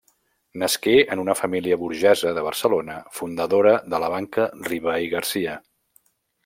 Nasqué en una família burgesa de Barcelona, fundadora de la Banca Riba i Garcia.